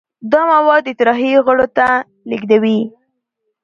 دا مواد اطراحي غړو ته لیږدوي.